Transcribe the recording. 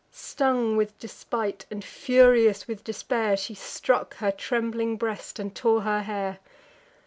Stung with despite, and furious with despair, She struck her trembling breast, and tore her hair.